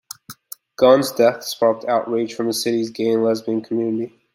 Gunn's death sparked outrage from the city's gay and lesbian community.